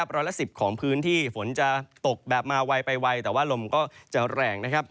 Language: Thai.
ร้อยละ๑๐ของพื้นที่ฝนจะตกแบบมาไวไปไวแต่ว่าลมก็จะแรงนะครับ